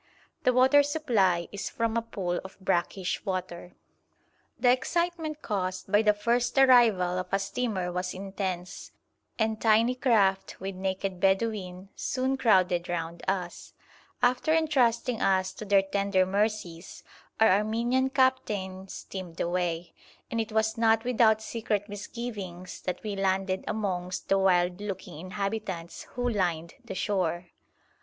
The water supply is from a pool of brackish water. The excitement caused by the first arrival of a steamer was intense, and tiny craft with naked Bedouin soon crowded round us; after entrusting us to their tender mercies our Armenian captain steamed away, and it was not without secret misgivings that we landed amongst the wild looking inhabitants who lined the shore.